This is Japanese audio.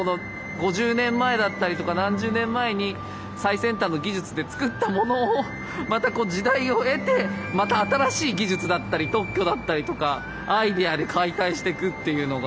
５０年前だったりとか何十年前に最先端の技術で造ったものをまたこう時代を経てまた新しい技術だったり特許だったりとかアイデアで解体していくっていうのが。